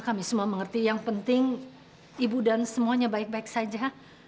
kami semua mengerti yang penting ibu dan semuanya baik baik saja